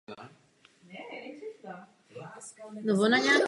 Svá první literární díla zveřejňoval v časopisech.